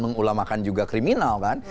mengulamakan juga kriminal kan